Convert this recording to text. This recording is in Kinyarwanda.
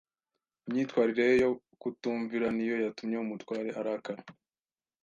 Imyitwarire ye yo kutumvira niyo yatumye umutware arakara.